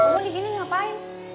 semua disini ngapain